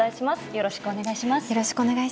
よろしくお願いします。